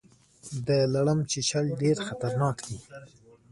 د لړم چیچل ډیر خطرناک دي